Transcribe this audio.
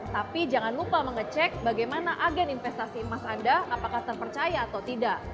tapi jangan lupa mengecek bagaimana agen investasi emas anda apakah terpercaya atau tidak